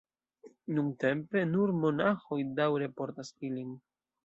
Nuntempe nur monaĥoj daŭre portas ilin.